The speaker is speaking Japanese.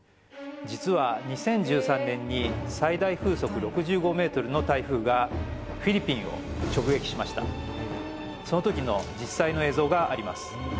実は２０１３年に最大風速６５ｍ／ｓの台風がフィリピンを直撃しましたその時の実際の映像があります